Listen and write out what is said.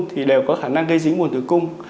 thì đều có khả năng gây dính vùng tử cung